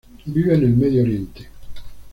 Vive en el Medio Oriente.